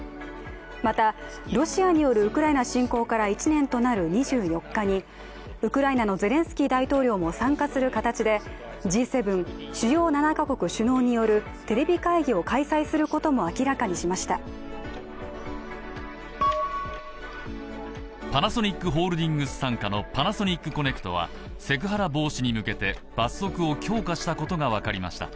また、ロシアによるウクライナ侵攻から１年となる２４日にウクライナのゼレンスキー大統領も参加する形でＧ７＝主要７か国首脳によるテレビ会議を開催することも明らかにしましたパナソニックホールディングス傘下のパナソニックコネクトはセクハラ防止に向けて罰則を強化したことがわかりました。